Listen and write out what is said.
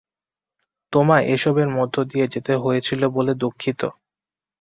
তোমায় এসবের মধ্য দিয়ে যেতে হয়েছিল বলে দুঃখিত।